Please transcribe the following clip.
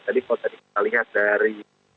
jadi kalau tadi kita lihat dari